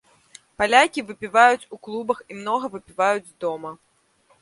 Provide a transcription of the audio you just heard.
Палякі выпіваюць у клубах і многа выпіваюць дома.